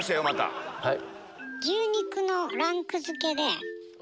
はい。